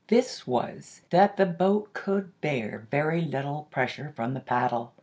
This was that the boat could bear very little pressure from the paddle.